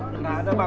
tidak ada bang